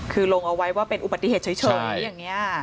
คือลงเอาไว้ว่าเป็นอุบัติเหตุเฉยอย่างนี้